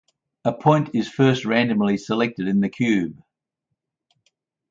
A point is first randomly selected in the cube.